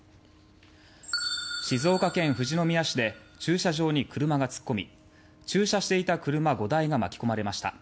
静岡県富士宮市で駐車場に車が突っ込み駐車していた車５台が巻き込まれました。